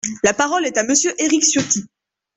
La parole est à Monsieur Éric Ciotti.